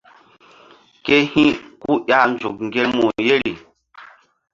Ke hi̧ ku ƴah nzuk ŋgermu yeri.